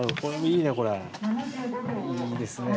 いいですねぇ。